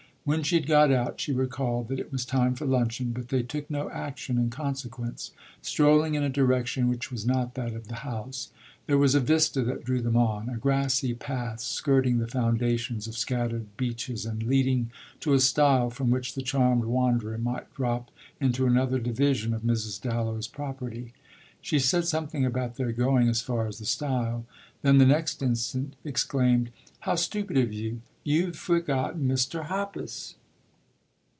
When she had got out she recalled that it was time for luncheon; but they took no action in consequence, strolling in a direction which was not that of the house. There was a vista that drew them on, a grassy path skirting the foundations of scattered beeches and leading to a stile from which the charmed wanderer might drop into another division of Mrs. Dallow's property. She said something about their going as far as the stile, then the next instant exclaimed: "How stupid of you you've forgotten Mr. Hoppus!"